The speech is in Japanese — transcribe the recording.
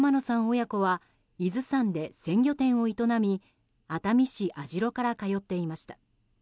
親子は伊豆山で鮮魚店を営み熱海市網代から通っていました。